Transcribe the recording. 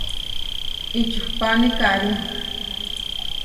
Ičuhpáni karí.